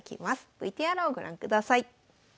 ＶＴＲをご覧ください。